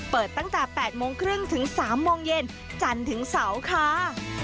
เปิดตั้งแต่๘โมงครึ่งถึง๓โมงเย็นจันทร์ถึงเสาร์ค่ะ